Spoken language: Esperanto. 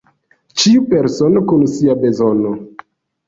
Ĉiu persono kun sia bezono.